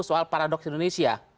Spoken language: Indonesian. soal paradoks indonesia